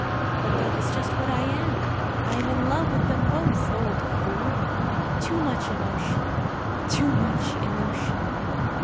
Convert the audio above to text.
But that is just what I am. I am in love with them both. Old fool! Too much emotion too much emotion.